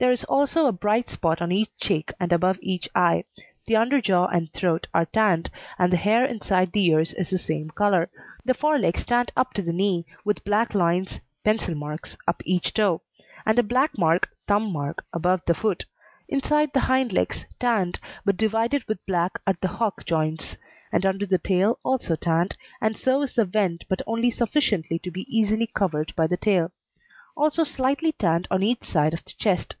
There is also a bright spot on each cheek and above each eye; the underjaw and throat are tanned, and the hair inside the ears is the same colour; the fore legs tanned up to the knee, with black lines (pencil marks) up each toe, and a black mark (thumb mark) above the foot; inside the hind legs tanned, but divided with black at the hock joints; and under the tail also tanned; and so is the vent, but only sufficiently to be easily covered by the tail; also slightly tanned on each side of the chest.